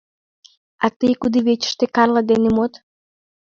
А тый кудывечыште Карла дене мод.